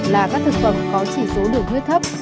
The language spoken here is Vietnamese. là các thực phẩm có chỉ số đường huyết thấp